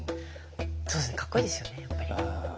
そうですねかっこいいですよねやっぱり。